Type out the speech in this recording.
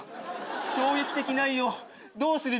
衝撃的内容どうするべき対応。